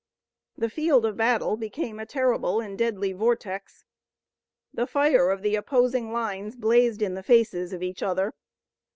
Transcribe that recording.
The field of battle became a terrible and deadly vortex. The fire of the opposing lines blazed in the faces of each other.